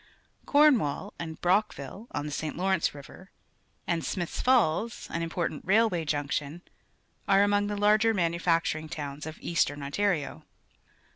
Cornwall and Brockville, on the St. Law rence River, and Srmih's Falls, an important 90 PUBLIC SCHOOL GEOGRAPHY railway junction, are among the larger manu facturing towns of eastern Ontario.